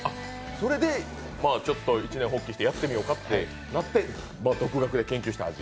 それで一念発起してやってみようかということになって、独学で研究した味。